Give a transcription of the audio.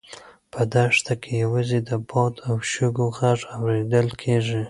په دښته کې یوازې د باد او شګو غږ اورېدل کېږي.